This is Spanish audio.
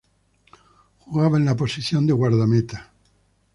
Jugaba en la posición de Guardameta.